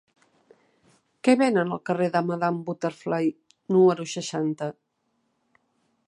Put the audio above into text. Què venen al carrer de Madame Butterfly número seixanta?